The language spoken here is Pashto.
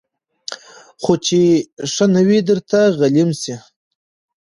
خو چي ښه نه وي درته غلیم سي